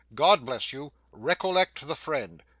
God bless you. Recollect the friend.